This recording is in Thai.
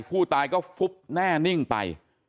ผู้ตายก็ฟุบแน่นิ่งไป